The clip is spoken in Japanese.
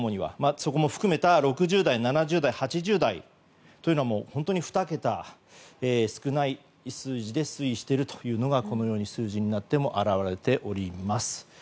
そこも含めた６０代、７０代８０代というのは２桁少ない数字で推移しているというのがこのように表れております。